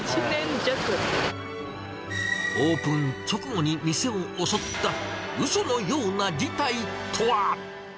オープン直後に店を襲ったうそのような事態とは？